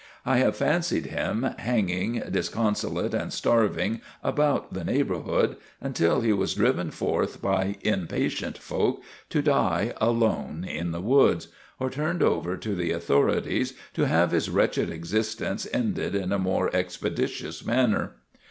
I have fancied him hanging, dis consolate and starving, about the neighborhood until he was driven forth by impatient folk to die alone in the woods, or turned over to the authorities to have his wretched existence ended in a more ex peditious manner.